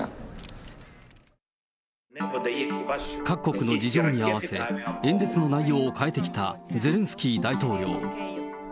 各国の事情に合わせ、演説の内容を変えてきたゼレンスキー大統領。